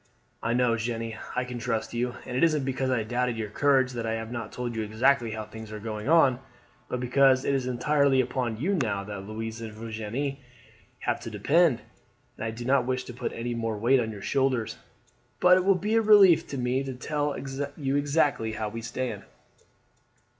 I know, Jeanne, I can trust you, and it isn't because I doubted your courage that I have not told you exactly how things are going on, but because it is entirely upon you now that Louise and Virginie have to depend, and I do not wish to put any more weight on your shoulders; but it will be a relief to me to tell you exactly how we stand."